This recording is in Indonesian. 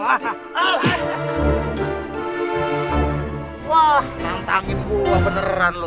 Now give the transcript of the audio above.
wah nantangin gue beneran lo